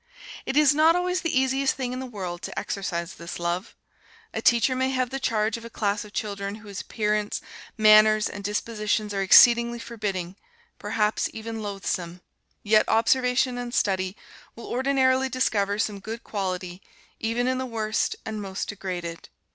It is not always the easiest thing in the world to exercise this love. A teacher may have the charge of a class of children whose appearance, manners, and dispositions are exceedingly forbidding, perhaps even loathsome. Yet observation and study will ordinarily discover some good quality even in the worst and most degraded.